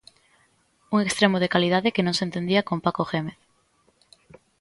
Un extremo de calidade que non se entendía con Paco Jémez.